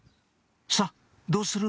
さぁどうする？